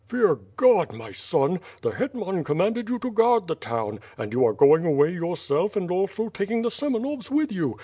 "Fear God, my son! The hetman commanded you to guard the town, and you are going away yourself and also taking the Semenovs with you!